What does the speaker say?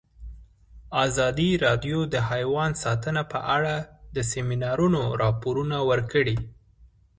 ازادي راډیو د حیوان ساتنه په اړه د سیمینارونو راپورونه ورکړي.